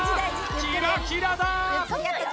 キラキラだー！